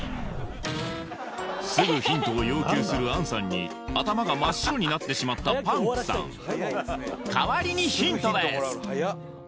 すぐヒントを要求する杏さんに頭が真っ白になってしまったパンクさん代わりにヒントです！